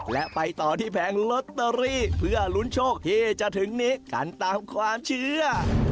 และไปต่อที่แผงลอตเตอรี่เพื่อลุ้นโชคที่จะถึงนี้กันตามความเชื่อ